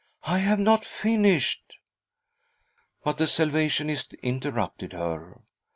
" I have not finished " But the Salvationist interrupted her.